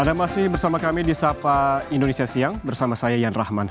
anda masih bersama kami di sapa indonesia siang bersama saya yan rahman